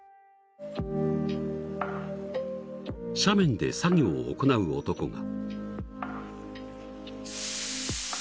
［斜面で作業を行う男が］